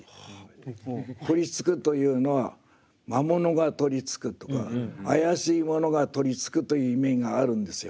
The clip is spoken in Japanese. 「取りつく」というのは魔物が取りつくとか怪しいものが取りつくという意味があるんですよ。